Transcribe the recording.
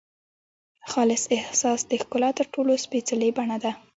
خالص احساس د ښکلا تر ټولو سپېڅلې بڼه ده.